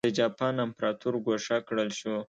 د جاپان امپراتور ګوښه کړل شو.